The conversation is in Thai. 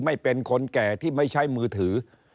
ไม่เป็นคนแก่ที่ไม่ใช้มือถือ